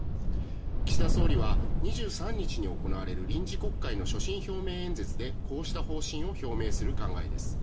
岸田総理は２３日に行われる臨時国会の所信表明演説でこうした方針を表明する考えです。